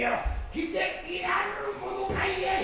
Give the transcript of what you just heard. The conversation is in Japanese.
着ていらるるものかいやい。